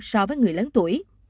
so với người lớn tuổi